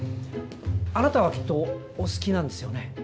あなたはきっとお好きなんですよね？